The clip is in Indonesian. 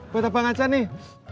buat abang aja nih